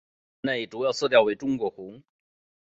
站内主要色调为中国红。